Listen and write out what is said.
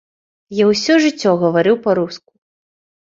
Я ўсё жыццё гаварыў па-руску.